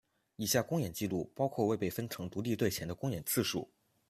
以下公演记录包括未被分成独立队前的公演次数。